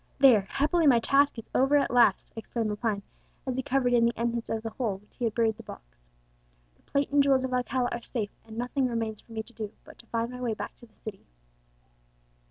There! happily my task is over at last!" exclaimed Lepine, as he covered in the entrance of the hole in which he had buried the box. "The plate and jewels of Alcala are safe, and nothing remains for me to do but to find my way back to the city."